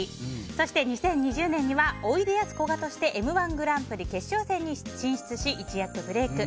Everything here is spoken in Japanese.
そして２０２０年にはおいでやすこがとして「Ｍ‐１グランプリ」決勝戦に進出し一躍ブレーク。